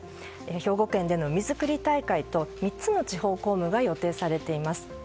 兵庫県での海づくり大会と３つの地方公務が予定されています。